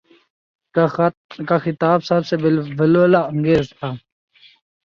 کا خطاب سب سے ولولہ انگیز تھا۔